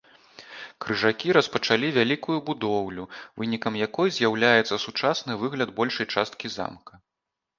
Крыжакі распачалі вялікую будоўлю, вынікам якой з'яўляецца сучасны выгляд большай часткі замка.